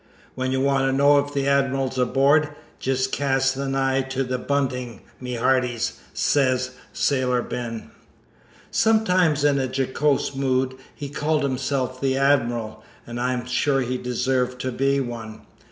"When you want to know if the Admiral's aboard, jest cast an eye to the buntin', my hearties," says Sailor Ben. Sometimes in a jocose mood he called himself the Admiral, and I am sure he deserved to be one.